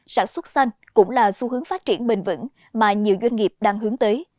sản xuất xanh cũng là xu hướng phát triển bình vẩn mà nhiều doanh nghiệp đang hướng tới